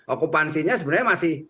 okupansinya sebenarnya masih